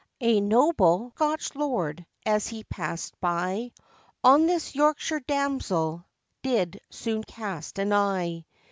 A noble Scotch lord, as he passed by, On this Yorkshire damsel did soon cast an eye.